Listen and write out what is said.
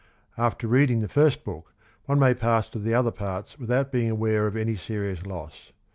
After reading the first book, one may pass to the other parts without being aware of any serious loss.